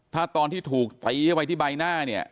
ถ้าตอนที่ถูกตีเข้าไปที่ใบหน้าเนี่ย